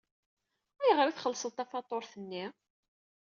Ayɣer ay txellṣeḍ tafatuṛt-nni?